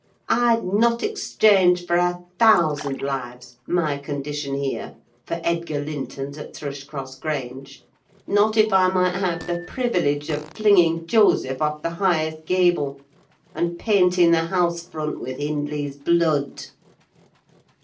I'd not exchange, for a thousand lives, my condition here, for Edgar Linton's at Thrushcross Grange—not if I might have the privilege of flinging Joseph off the highest gable, and painting the house front with Hindley's blood!"